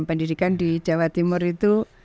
pendidikan di jawa timur itu